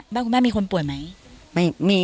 คุณแม่มีคนป่วยไหม